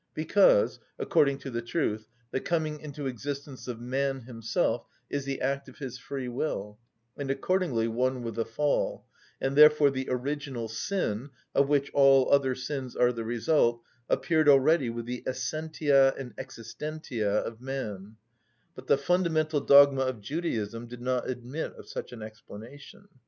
Because, according to the truth, the coming into existence of man himself is the act of his free will, and accordingly one with the fall, and therefore the original sin, of which all other sins are the result, appeared already with the essentia and existentia of man; but the fundamental dogma of Judaism did not admit of such an explanation.